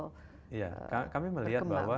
terkembang ya kami melihat bahwa